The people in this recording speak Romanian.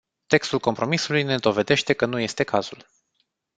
Textul compromisului ne dovedește că nu este cazul.